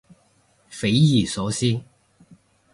匪夷所思